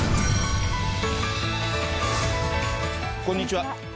こんにちは。